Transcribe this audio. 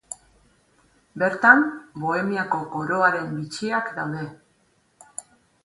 Bertan, Bohemiako Koroaren Bitxiak daude.